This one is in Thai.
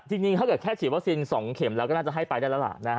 จริงถ้าเกิดแค่ฉีดวัคซีน๒เข็มแล้วก็น่าจะให้ไปได้แล้วล่ะ